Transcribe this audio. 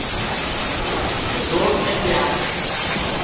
بکروٹ کڈھیا